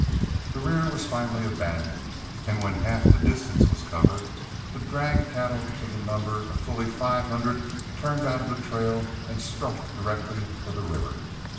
The rear was finally abandoned, and when half the distance was covered, the drag cattle to the number of fully five hundred turned out of the trail and struck direct for the river.